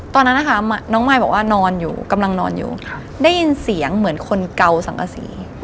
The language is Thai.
ตอนนั้นนะคะน้องมายบอกว่านอนอยู่กำลังนอนอยู่ได้ยินเสียงเหมือนคนเกาสังกษี